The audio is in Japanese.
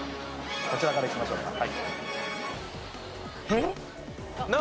こちらから行きましょうか。